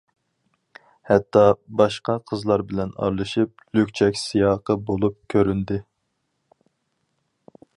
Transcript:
ھەتتا، باشقا قىزلار بىلەن ئارىلىشىپ، لۈكچەك سىياقى بولۇپ كۆرۈندى.